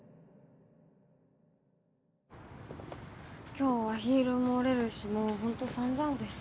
今日はヒールも折れるしもうほんと散々です。